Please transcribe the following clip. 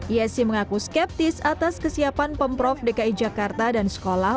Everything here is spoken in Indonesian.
yesi mengaku skeptis atas kesiapan pemprov dki jakarta dan sekolah